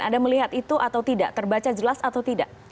anda melihat itu atau tidak terbaca jelas atau tidak